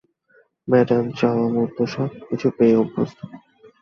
Madam চাওয়ামতো সবকিছু পেয়ে অভ্যস্ত।